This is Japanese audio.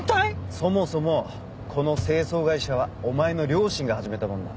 そもそもこの清掃会社はお前の両親が始めたもんだ。